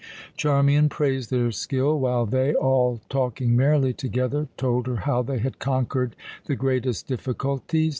Charmian praised their skill, while they all talking merrily together told her how they had conquered the greatest difficulties.